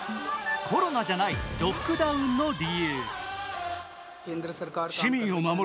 コロナじゃない、ロックダウンの理由。